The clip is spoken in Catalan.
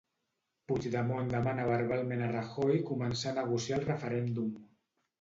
Puigdemont demana verbalment a Rajoy començar a negociar el referèndum.